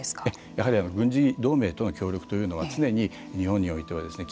やはり軍事同盟との協力というのは常に、日本においてはですね